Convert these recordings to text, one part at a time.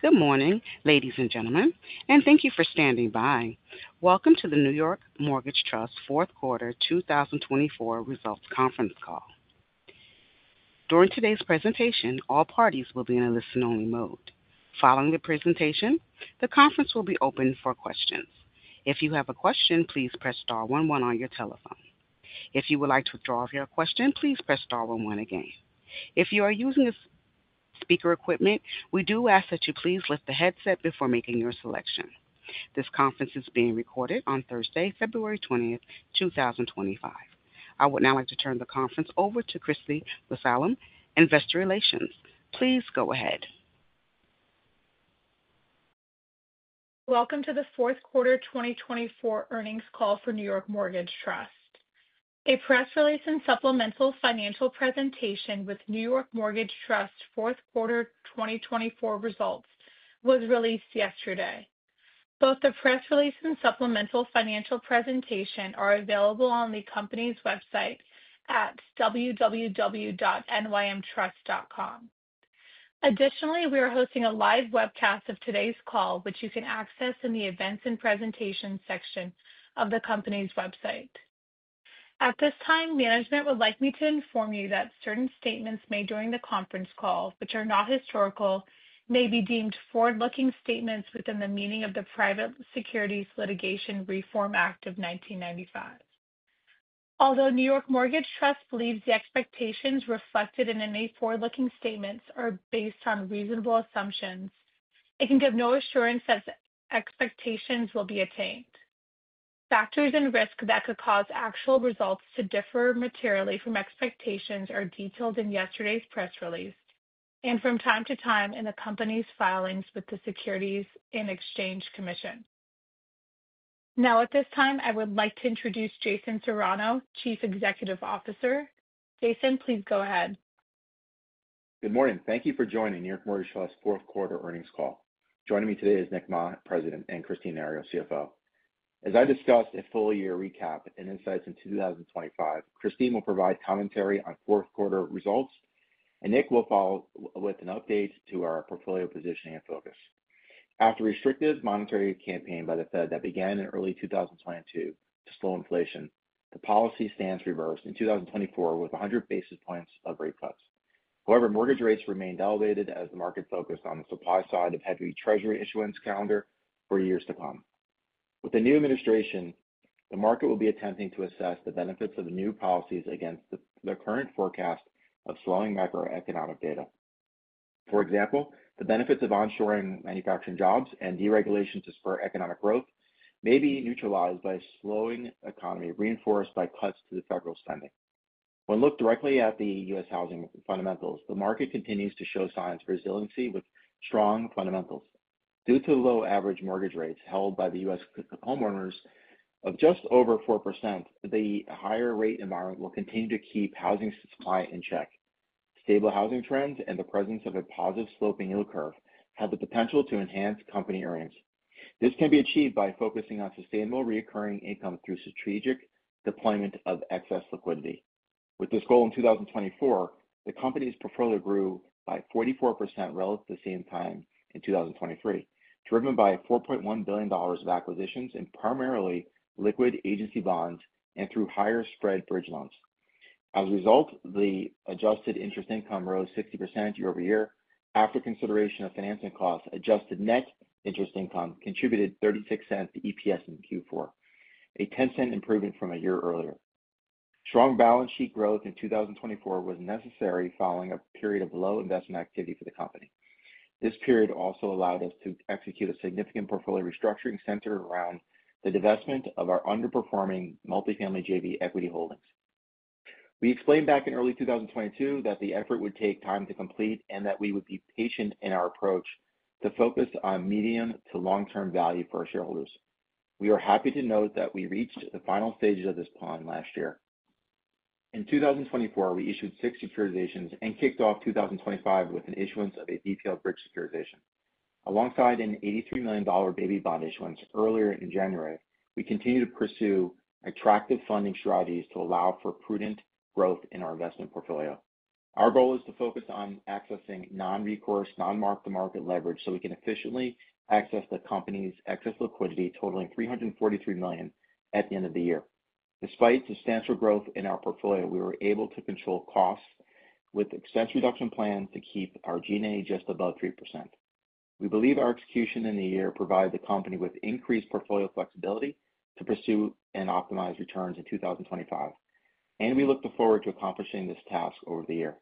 Good morning, ladies and gentlemen, and thank you for standing by. Welcome to the New York Mortgage Trust Fourth Quarter 2024 Results Conference Call. During today's presentation, all parties will be in a listen-only mode. Following the presentation, the conference will be open for questions. If you have a question, please press star 11 on your telephone. If you would like to withdraw your question, please press star 11 again. If you are using this speaker equipment, we do ask that you please lift the headset before making your selection. This conference is being recorded on Thursday, February 20th, 2025. I would now like to turn the conference over to Kristi Mussallem, Investor Relations. Please go ahead. Welcome to the Fourth Quarter 2024 Earnings Call for New York Mortgage Trust. A press release and supplemental financial presentation with New York Mortgage Trust Fourth Quarter 2024 results was released yesterday. Both the press release and supplemental financial presentation are available on the company's website at www.nymtrust.com. Additionally, we are hosting a live webcast of today's call, which you can access in the Events and Presentations section of the company's website. At this time, management would like me to inform you that certain statements made during the conference call, which are not historical, may be deemed forward-looking statements within the meaning of the Private Securities Litigation Reform Act of 1995. Although New York Mortgage Trust believes the expectations reflected in any forward-looking statements are based on reasonable assumptions, it can give no assurance that expectations will be attained. Factors and risks that could cause actual results to differ materially from expectations are detailed in yesterday's press release and from time to time in the company's filings with the Securities and Exchange Commission. Now, at this time, I would like to introduce Jason Serrano, Chief Executive Officer. Jason, please go ahead. Good morning. Thank you for joining New York Mortgage Trust Fourth Quarter Earnings Call. Joining me today is Nick Ma, President, and Kristine Nario, CFO. As I discussed a full-year recap and insights into 2025, Kristine will provide commentary on Fourth Quarter results, and Nick will follow with an update to our portfolio positioning and focus. After a restrictive monetary campaign by the Fed that began in early 2022 to slow inflation, the policy stands reversed in 2024 with 100 basis points of rate cuts. However, mortgage rates remained elevated as the market focused on the supply side of heavy Treasury issuance calendar for years to come. With the new administration, the market will be attempting to assess the benefits of the new policies against the current forecast of slowing macroeconomic data. For example, the benefits of onshoring manufacturing jobs and deregulation to spur economic growth may be neutralized by a slowing economy reinforced by cuts to the federal spending. When looked directly at the U.S. housing fundamentals, the market continues to show signs of resiliency with strong fundamentals. Due to low average mortgage rates held by the U.S. homeowners of just over 4%, the higher rate environment will continue to keep housing supply in check. Stable housing trends and the presence of a positive sloping yield curve have the potential to enhance company earnings. This can be achieved by focusing on sustainable recurring income through strategic deployment of excess liquidity. With this goal in 2024, the company's portfolio grew by 44% relative to the same time in 2023, driven by $4.1 billion of acquisitions in primarily liquid agency bonds and through higher spread bridge loans. As a result, the adjusted interest income rose 60% year over year after consideration of financing costs. Adjusted net interest income contributed $0.36 to EPS in Q4, a $0.10 improvement from a year earlier. Strong balance sheet growth in 2024 was necessary following a period of low investment activity for the company. This period also allowed us to execute a significant portfolio restructuring centered around the divestment of our underperforming multi-family JV equity holdings. We explained back in early 2022 that the effort would take time to complete and that we would be patient in our approach to focus on medium to long-term value for our shareholders. We are happy to note that we reached the final stages of this plan last year. In 2024, we issued six securitizations and kicked off 2025 with an issuance of an RTL bridge securitization. Alongside an $83 million baby bond issuance earlier in January, we continue to pursue attractive funding strategies to allow for prudent growth in our investment portfolio. Our goal is to focus on accessing non-recourse, non-mark-to-market leverage so we can efficiently access the company's excess liquidity totaling $343 million at the end of the year. Despite substantial growth in our portfolio, we were able to control costs with expense reduction plans to keep our G&A just above 3%. We believe our execution in the year provided the company with increased portfolio flexibility to pursue and optimize returns in 2025, and we look forward to accomplishing this task over the year.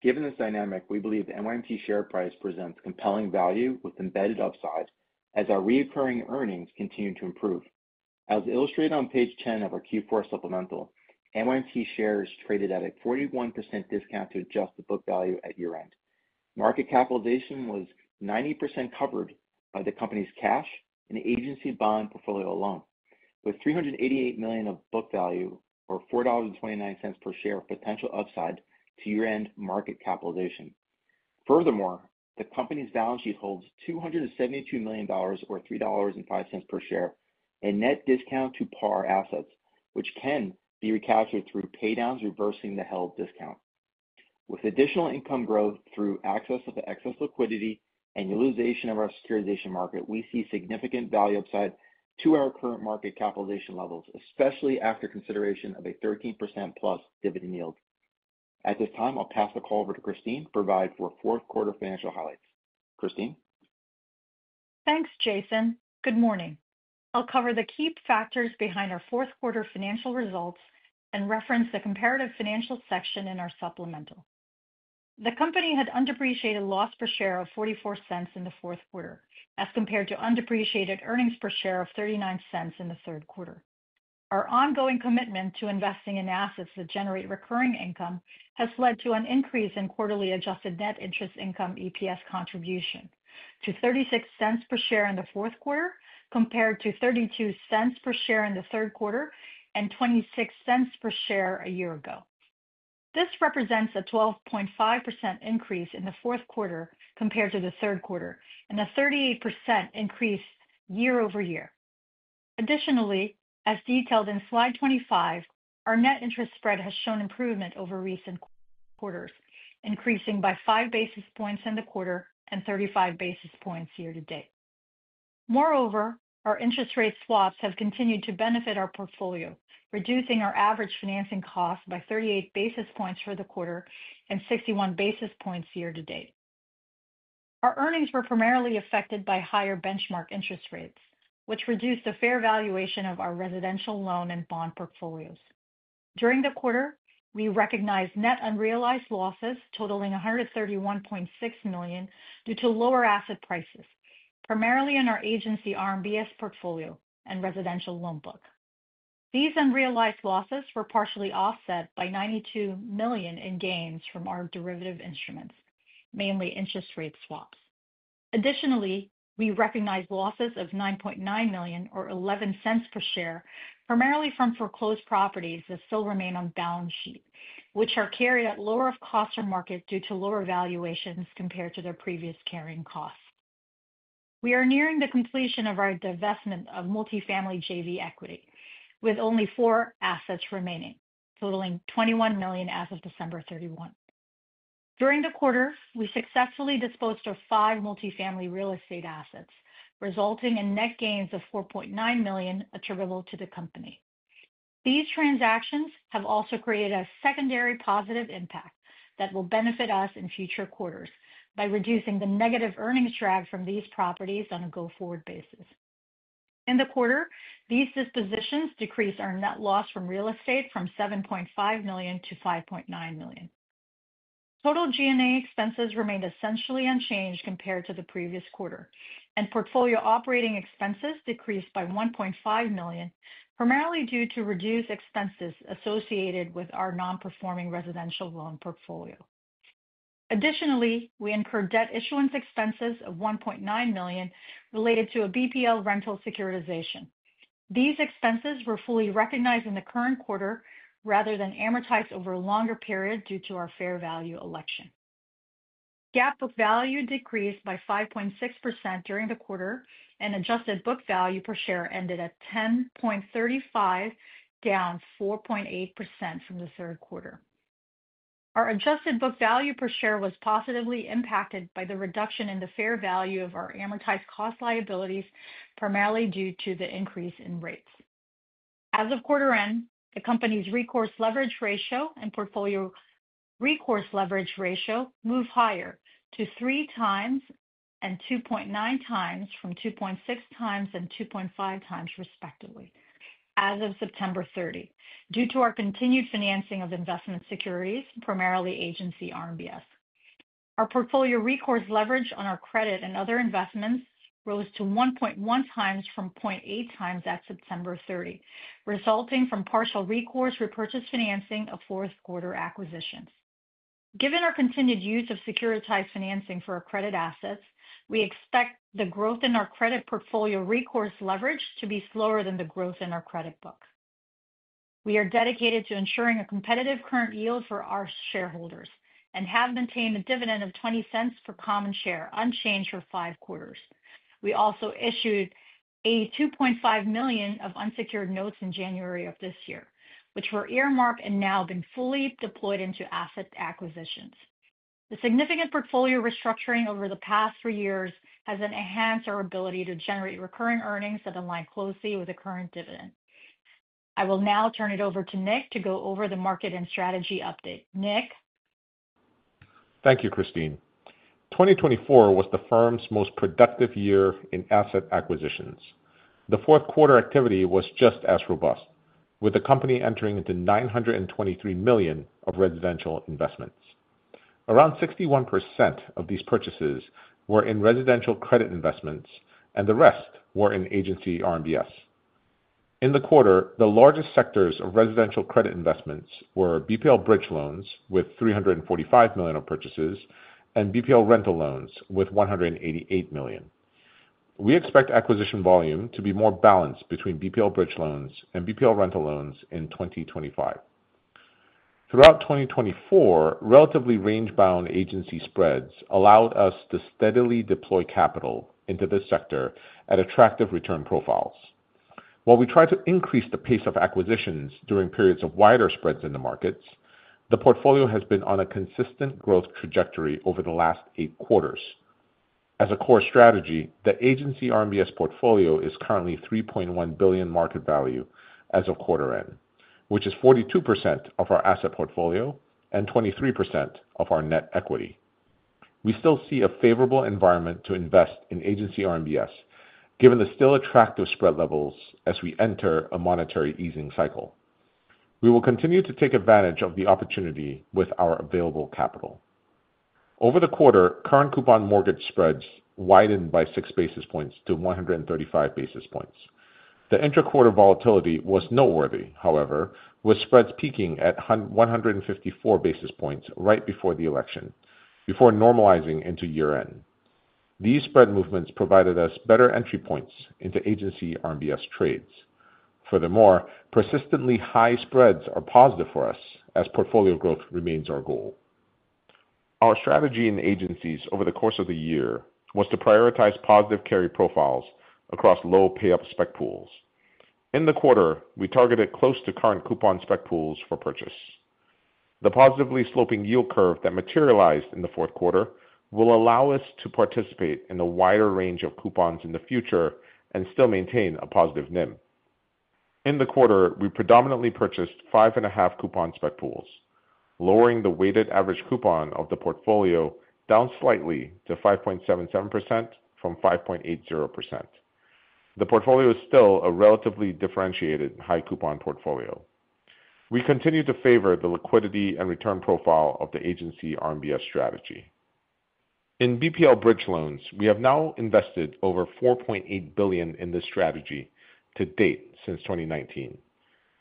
Given this dynamic, we believe the NYMT share price presents compelling value with embedded upside as our recurring earnings continue to improve. As illustrated on page 10 of our Q4 supplemental, NYMT shares traded at a 41% discount to adjusted book value at year-end. Market capitalization was 90% covered by the company's cash and agency bond portfolio alone, with $388 million of book value or $4.29 per share of potential upside to year-end market capitalization. Furthermore, the company's balance sheet holds $272 million or $3.05 per share, a net discount to par assets, which can be recaptured through paydowns reversing the held discount. With additional income growth through access of the excess liquidity and utilization of our securitization market, we see significant value upside to our current market capitalization levels, especially after consideration of a 13% plus dividend yield. At this time, I'll pass the call over to Kristine to provide the Fourth Quarter financial highlights. Kristine. Thanks, Jason. Good morning. I'll cover the key factors behind our fourth quarter financial results and reference the comparative financial section in our supplemental. The company had GAAP loss per share of $0.44 in the fourth quarter as compared to GAAP earnings per share of $0.39 in the third quarter. Our ongoing commitment to investing in assets that generate recurring income has led to an increase in quarterly adjusted net interest income (EPS) contribution to $0.36 per share in the fourth quarter compared to $0.32 per share in the third quarter and $0.26 per share a year ago. This represents a 12.5% increase in the fourth quarter compared to the third quarter and a 38% increase year over year. Additionally, as detailed in slide 25, our net interest spread has shown improvement over recent quarters, increasing by five basis points in the quarter and 35 basis points year to date. Moreover, our interest rate swaps have continued to benefit our portfolio, reducing our average financing cost by 38 basis points for the quarter and 61 basis points year to date. Our earnings were primarily affected by higher benchmark interest rates, which reduced the fair valuation of our residential loan and bond portfolios. During the quarter, we recognized net unrealized losses totaling $131.6 million due to lower asset prices, primarily in our agency RMBS portfolio and residential loan book. These unrealized losses were partially offset by $92 million in gains from our derivative instruments, mainly interest rate swaps. Additionally, we recognized losses of $9.9 million or $0.11 per share, primarily from foreclosed properties that still remain on balance sheet, which are carried at the lower of cost or market due to lower valuations compared to their previous carrying costs. We are nearing the completion of our divestment of multi-family JV equity, with only four assets remaining, totaling $21 million as of December 31. During the quarter, we successfully disposed of five multi-family real estate assets, resulting in net gains of $4.9 million attributable to the company. These transactions have also created a secondary positive impact that will benefit us in future quarters by reducing the negative earnings drag from these properties on a go-forward basis. In the quarter, these dispositions decreased our net loss from real estate from $7.5 million to $5.9 million. Total G&A expenses remained essentially unchanged compared to the previous quarter, and portfolio operating expenses decreased by $1.5 million, primarily due to reduced expenses associated with our non-performing residential loan portfolio. Additionally, we incurred debt issuance expenses of $1.9 million related to a BPL rental securitization. These expenses were fully recognized in the current quarter rather than amortized over a longer period due to our fair value election. GAAP book value decreased by 5.6% during the quarter, and adjusted book value per share ended at $10.35, down 4.8% from the third quarter. Our adjusted book value per share was positively impacted by the reduction in the fair value of our amortized cost liabilities, primarily due to the increase in rates. As of quarter end, the company's recourse leverage ratio and portfolio recourse leverage ratio moved higher to 3 times and 2.9 times from 2.6 times and 2.5 times, respectively, as of September 30, due to our continued financing of investment securities, primarily Agency RMBS. Our portfolio recourse leverage on our credit and other investments rose to 1.1 times from 0.8 times at September 30, resulting from partial recourse repurchase financing of fourth quarter acquisitions. Given our continued use of securitized financing for our credit assets, we expect the growth in our credit portfolio recourse leverage to be slower than the growth in our credit book. We are dedicated to ensuring a competitive current yield for our shareholders and have maintained a dividend of $0.20 per common share unchanged for five quarters. We also issued $82.5 million of unsecured notes in January of this year, which were earmarked and now been fully deployed into asset acquisitions. The significant portfolio restructuring over the past three years has enhanced our ability to generate recurring earnings that align closely with the current dividend. I will now turn it over to Nick to go over the market and strategy update. Nick. Thank you, Kristine. 2024 was the firm's most productive year in asset acquisitions. The fourth quarter activity was just as robust, with the company entering into $923 million of residential investments. Around 61% of these purchases were in residential credit investments, and the rest were in agency RMBS. In the quarter, the largest sectors of residential credit investments were BPL bridge loans with $345 million of purchases and BPL rental loans with $188 million. We expect acquisition volume to be more balanced between BPL bridge loans and BPL rental loans in 2025. Throughout 2024, relatively range-bound agency spreads allowed us to steadily deploy capital into this sector at attractive return profiles. While we try to increase the pace of acquisitions during periods of wider spreads in the markets, the portfolio has been on a consistent growth trajectory over the last eight quarters. As a core strategy, the Agency RMBS portfolio is currently $3.1 billion market value as of quarter end, which is 42% of our asset portfolio and 23% of our net equity. We still see a favorable environment to invest in Agency RMBS, given the still attractive spread levels as we enter a monetary easing cycle. We will continue to take advantage of the opportunity with our available capital. Over the quarter, current coupon mortgage spreads widened by six basis points to 135 basis points. The intra-quarter volatility was noteworthy, however, with spreads peaking at 154 basis points right before the election, before normalizing into year-end. These spread movements provided us better entry points into Agency RMBS trades. Furthermore, persistently high spreads are positive for us as portfolio growth remains our goal. Our strategy in agencies over the course of the year was to prioritize positive carry profiles across low pay-up spec pools. In the quarter, we targeted close to current coupon spec pools for purchase. The positively sloping yield curve that materialized in the fourth quarter will allow us to participate in a wider range of coupons in the future and still maintain a positive NIM. In the quarter, we predominantly purchased five and a half coupon spec pools, lowering the weighted average coupon of the portfolio down slightly to 5.77% from 5.80%. The portfolio is still a relatively differentiated high coupon portfolio. We continue to favor the liquidity and return profile of the agency RMBS strategy. In BPL bridge loans, we have now invested over $4.8 billion in this strategy to date since 2019,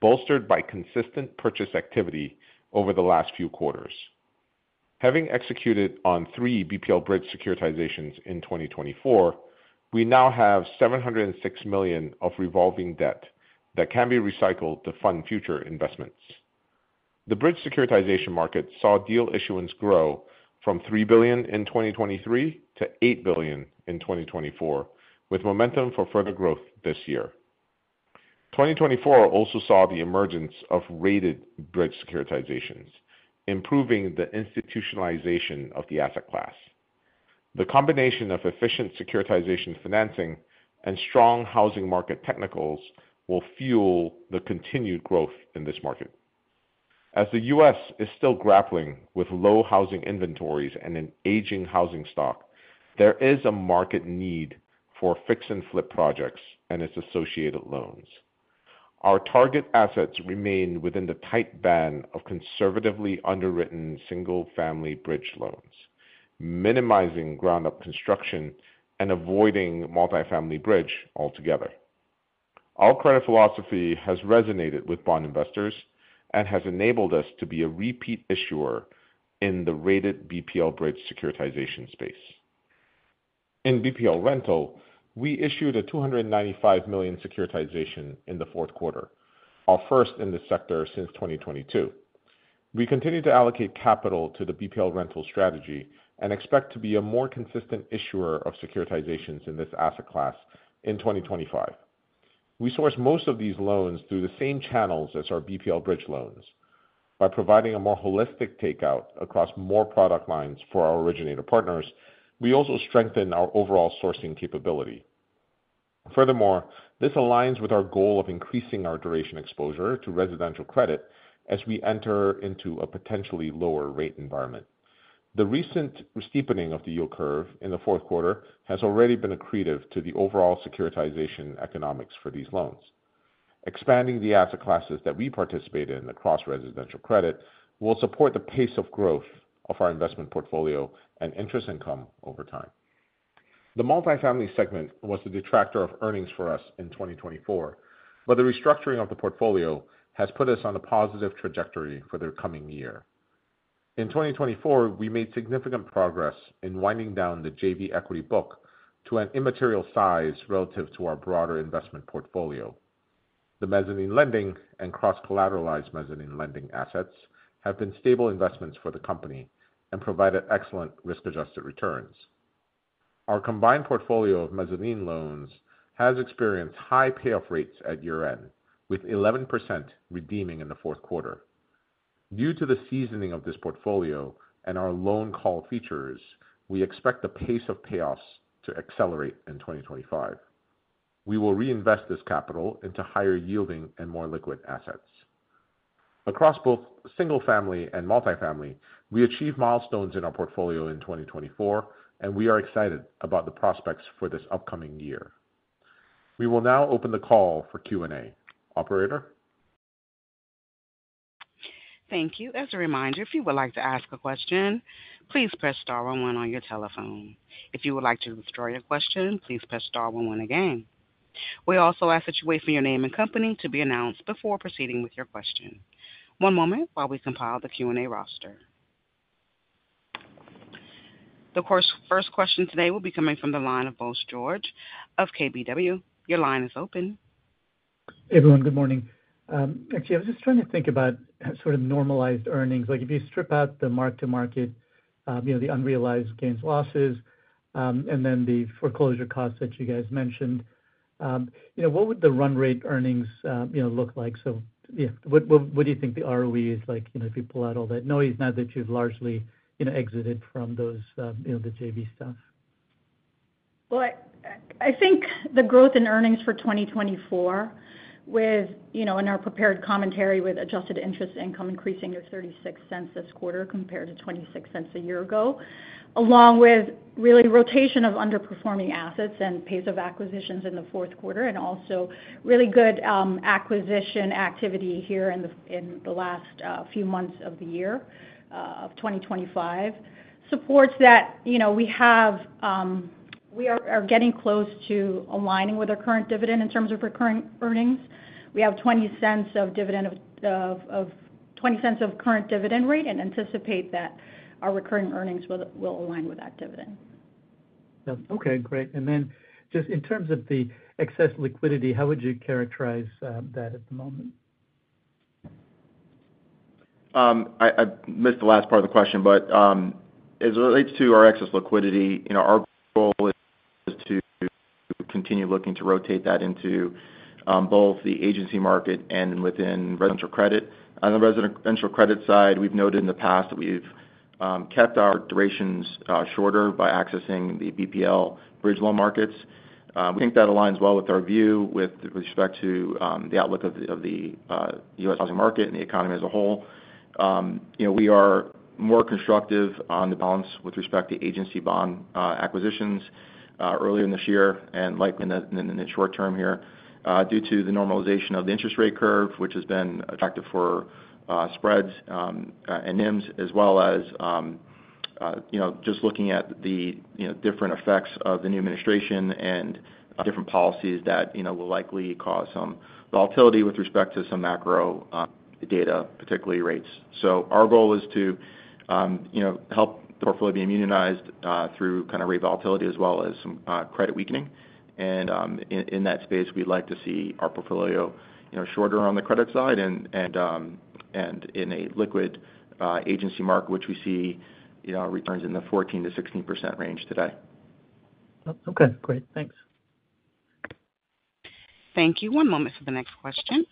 bolstered by consistent purchase activity over the last few quarters. Having executed on three BPL bridge securitizations in 2024, we now have $706 million of revolving debt that can be recycled to fund future investments. The bridge securitization market saw deal issuance grow from $3 billion in 2023 to $8 billion in 2024, with momentum for further growth this year. 2024 also saw the emergence of rated bridge securitizations, improving the institutionalization of the asset class. The combination of efficient securitization financing and strong housing market technicals will fuel the continued growth in this market. As the U.S. is still grappling with low housing inventories and an aging housing stock, there is a market need for fix-and-flip projects and its associated loans. Our target assets remain within the tight band of conservatively underwritten single-family bridge loans, minimizing ground-up construction and avoiding multi-family bridge altogether. Our credit philosophy has resonated with bond investors and has enabled us to be a repeat issuer in the rated BPL bridge securitization space. In BPL rental, we issued a $295 million securitization in the fourth quarter, our first in the sector since 2022. We continue to allocate capital to the BPL rental strategy and expect to be a more consistent issuer of securitizations in this asset class in 2025. We source most of these loans through the same channels as our BPL bridge loans. By providing a more holistic takeout across more product lines for our originator partners, we also strengthen our overall sourcing capability. Furthermore, this aligns with our goal of increasing our duration exposure to residential credit as we enter into a potentially lower rate environment. The recent steepening of the yield curve in the fourth quarter has already been accretive to the overall securitization economics for these loans. Expanding the asset classes that we participate in across residential credit will support the pace of growth of our investment portfolio and interest income over time. The multi-family segment was the detractor of earnings for us in 2024, but the restructuring of the portfolio has put us on a positive trajectory for the coming year. In 2024, we made significant progress in winding down the JV equity book to an immaterial size relative to our broader investment portfolio. The mezzanine lending and cross-collateralized mezzanine lending assets have been stable investments for the company and provided excellent risk-adjusted returns. Our combined portfolio of mezzanine loans has experienced high payoff rates at year-end, with 11% redeeming in the fourth quarter. Due to the seasoning of this portfolio and our loan call features, we expect the pace of payoffs to accelerate in 2025. We will reinvest this capital into higher yielding and more liquid assets. Across both single-family and multi-family, we achieved milestones in our portfolio in 2024, and we are excited about the prospects for this upcoming year. We will now open the call for Q&A. Operator. Thank you. As a reminder, if you would like to ask a question, please press star one one on your telephone. If you would like to withdraw a question, please press star one one again. We also ask that you wait for your name and company to be announced before proceeding with your question. One moment while we compile the Q&A roster. The first question today will be coming from the line of Bose George of KBW. Your line is open. Everyone, good morning. Actually, I was just trying to think about sort of normalized earnings. Like if you strip out the mark-to-market, you know, the unrealized gains, losses, and then the foreclosure costs that you guys mentioned, you know, what would the run rate earnings, you know, look like? So yeah, what do you think the ROE is like, you know, if you pull out all that noise now that you've largely, you know, exited from those, you know, the JV stuff? I think the growth in earnings for 2024, with, you know, in our prepared commentary with adjusted interest income increasing to $0.36 this quarter compared to $0.26 a year ago, along with the rotation of underperforming assets and the pace of acquisitions in the fourth quarter, and also really good acquisition activity here in the last few months of the year of 2025 supports that, you know. We are getting close to aligning with our current dividend in terms of recurring earnings. We have $0.20 dividend, $0.20 current dividend rate and anticipate that our recurring earnings will align with that dividend. Okay, great. And then just in terms of the excess liquidity, how would you characterize that at the moment? I missed the last part of the question, but as it relates to our excess liquidity, you know, our goal is to continue looking to rotate that into both the agency market and within residential credit. On the residential credit side, we've noted in the past that we've kept our durations shorter by accessing the BPL bridge loan markets. We think that aligns well with our view with respect to the outlook of the U.S. housing market and the economy as a whole. You know, we are more constructive on the balance with respect to agency bond acquisitions earlier in this year and likely in the short term here due to the normalization of the interest rate curve, which has been attractive for spreads and NIMs, as well as, you know, just looking at the, you know, different effects of the new administration and different policies that, you know, will likely cause some volatility with respect to some macro data, particularly rates. So our goal is to, you know, help the portfolio be immunized through kind of rate volatility as well as some credit weakening. And in that space, we'd like to see our portfolio, you know, shorter on the credit side and in a liquid agency market, which we see, you know, returns in the 14%-16% range today. Okay, great. Thanks. Thank you. One moment for the next question.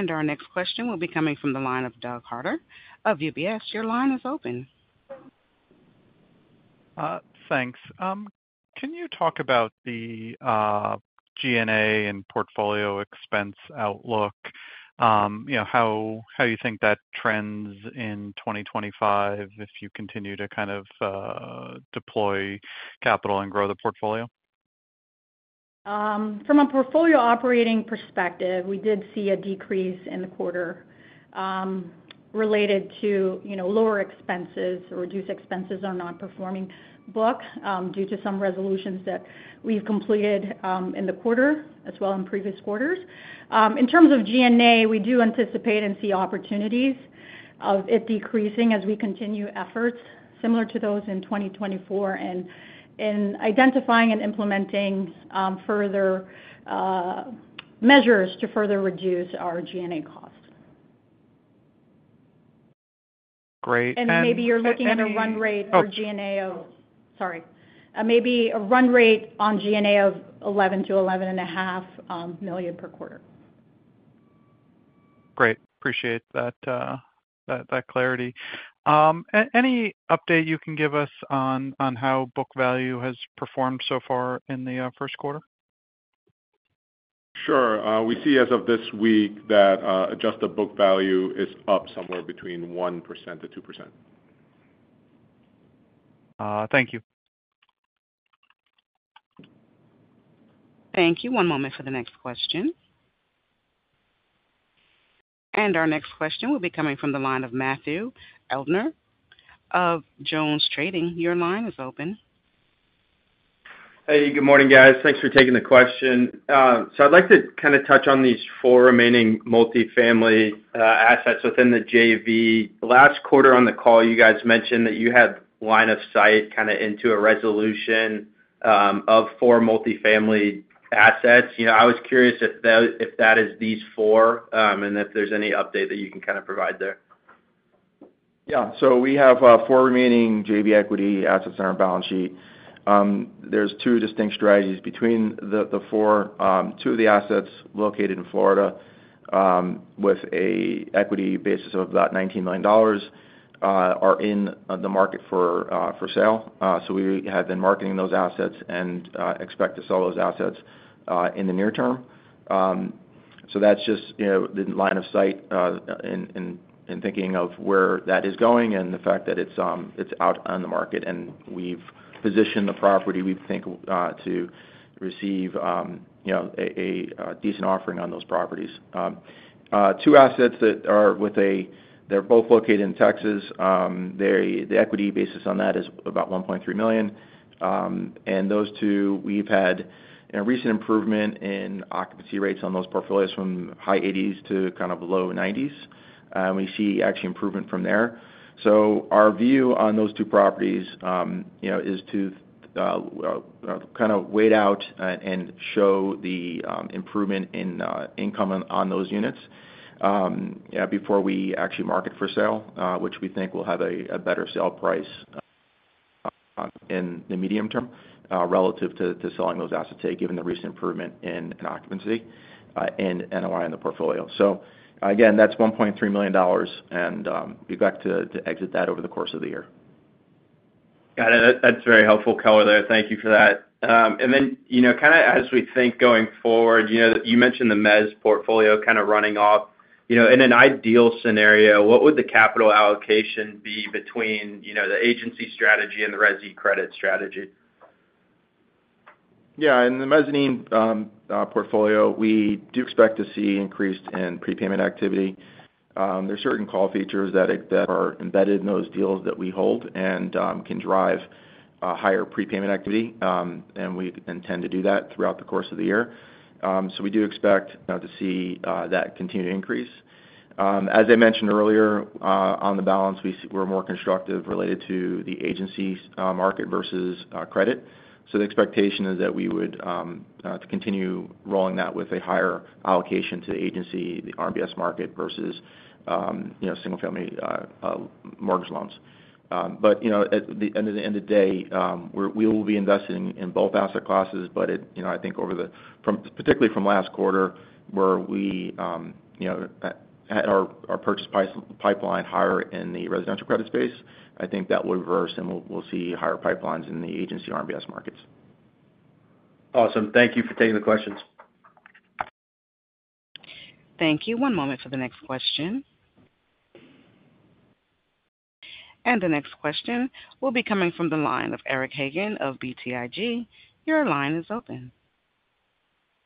And our next question will be coming from the line of Doug Harter of UBS. Your line is open. Thanks. Can you talk about the G&A and portfolio expense outlook, you know, how you think that trends in 2025 if you continue to kind of deploy capital and grow the portfolio? From a portfolio operating perspective, we did see a decrease in the quarter related to, you know, lower expenses or reduced expenses on our non-performing book due to some resolutions that we've completed in the quarter as well as in previous quarters. In terms of G&A, we do anticipate and see opportunities of it decreasing as we continue efforts similar to those in 2024 and in identifying and implementing further measures to further reduce our G&A cost. Great. Maybe you're looking at a run rate on G&A of $11 million-$11.5 million per quarter. Great. Appreciate that clarity. Any update you can give us on how book value has performed so far in the first quarter? Sure. We see as of this week that Adjusted book value is up somewhere between 1% to 2%. Thank you. Thank you. One moment for the next question. And our next question will be coming from the line of Matthew Erdner of JonesTrading. Your line is open. Hey, good morning, guys. Thanks for taking the question. So I'd like to kind of touch on these four remaining multi-family assets within the JV. Last quarter on the call, you guys mentioned that you had line of sight kind of into a resolution of four multi-family assets. You know, I was curious if that is these four and if there's any update that you can kind of provide there. Yeah. So we have four remaining JV equity assets on our balance sheet. There's two distinct strategies between the four. Two of the assets located in Florida with an equity basis of about $19 million are in the market for sale. So we have been marketing those assets and expect to sell those assets in the near term. So that's just, you know, the line of sight in thinking of where that is going and the fact that it's out on the market and we've positioned the property we think to receive, you know, a decent offering on those properties. Two assets, they're both located in Texas. The equity basis on that is about $1.3 million. And those two, we've had a recent improvement in occupancy rates on those portfolios from high 80s to kind of low 90s. We see actually improvement from there. So our view on those two properties, you know, is to kind of wait out and show the improvement in income on those units before we actually market for sale, which we think will have a better sale price in the medium term relative to selling those assets given the recent improvement in occupancy and NOI in the portfolio. So again, that's $1.3 million and we expect to exit that over the course of the year. Got it. That's very helpful color there. Thank you for that. And then, you know, kind of as we think going forward, you know, you mentioned the mez portfolio kind of running off. You know, in an ideal scenario, what would the capital allocation be between, you know, the agency strategy and the resi credit strategy? Yeah. In the mezzanine portfolio, we do expect to see increased in prepayment activity. There are certain call features that are embedded in those deals that we hold and can drive higher prepayment activity. And we intend to do that throughout the course of the year. So we do expect to see that continue to increase. As I mentioned earlier, on the balance, we're more constructive related to the Agency market versus credit. So the expectation is that we would continue rolling that with a higher allocation to the Agency RMBS market versus, you know, single-family mortgage loans. But, you know, at the end of the day, we will be investing in both asset classes, but, you know, I think over the, particularly from last quarter where we, you know, had our purchase pipeline higher in the residential credit space, I think that will reverse and we'll see higher pipelines in the Agency RMBS markets. Awesome. Thank you for taking the questions. Thank you. One moment for the next question. And the next question will be coming from the line of Eric Hagen of BTIG. Your line is open.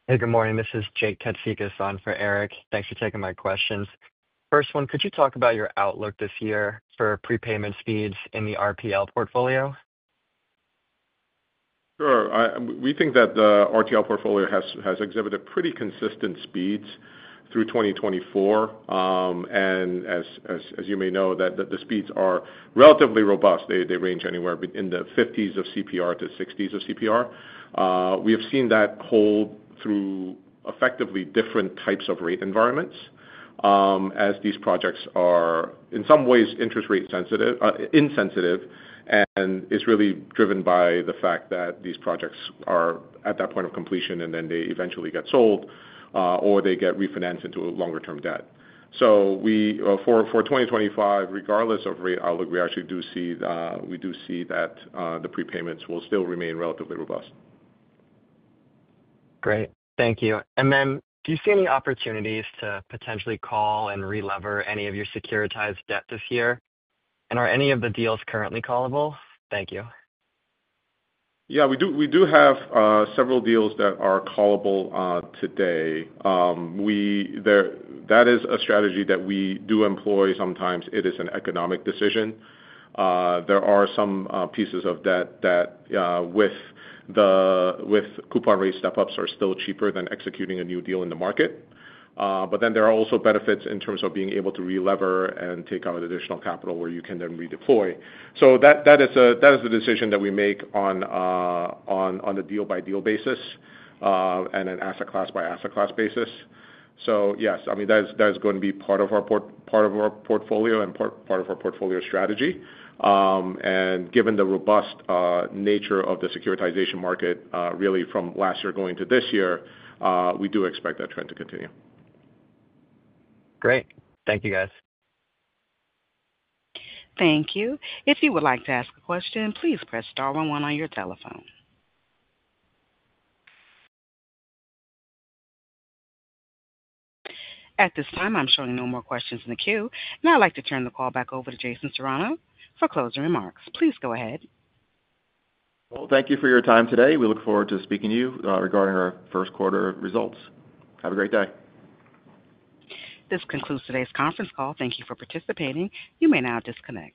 Hey, good morning. This is Jake Katsikas on for Eric. Thanks for taking my questions. First one, could you talk about your outlook this year for prepayment speeds in the RTL portfolio? Sure. We think that the RTL portfolio has exhibited pretty consistent speeds through 2024, and as you may know, the speeds are relatively robust. They range anywhere in the 50s of CPR to 60s of CPR. We have seen that hold through effectively different types of rate environments as these projects are in some ways interest rate insensitive and is really driven by the fact that these projects are at that point of completion and then they eventually get sold or they get refinanced into a longer-term debt, so for 2025, regardless of rate outlook, we actually do see that the prepayments will still remain relatively robust. Great. Thank you. And then do you see any opportunities to potentially call and re-lever any of your securitized debt this year? And are any of the deals currently callable? Thank you. Yeah, we do have several deals that are callable today. That is a strategy that we do employ sometimes. It is an economic decision. There are some pieces of debt that with coupon rate step-ups are still cheaper than executing a new deal in the market. But then there are also benefits in terms of being able to re-lever and take out additional capital where you can then redeploy. So that is a decision that we make on a deal-by-deal basis and an asset class-by-asset class basis. So yes, I mean, that is going to be part of our portfolio and part of our portfolio strategy. And given the robust nature of the securitization market really from last year going to this year, we do expect that trend to continue. Great. Thank you, guys. Thank you. If you would like to ask a question, please press star one one on your telephone. At this time, I'm showing no more questions in the queue. Now I'd like to turn the call back over to Jason Serrano for closing remarks. Please go ahead. Thank you for your time today. We look forward to speaking to you regarding our first quarter results. Have a great day. This concludes today's conference call. Thank you for participating. You may now disconnect.